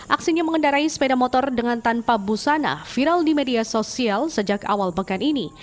aksinya mengendarai sepeda motor dengan tanpa busana viral di media sosial sejak awal pekan ini